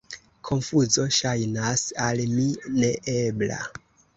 Konfuzo ŝajnas al mi ne ebla.